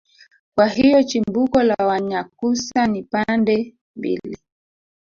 kwa hiyo chimbuko la wanyakyusa ni pande mbili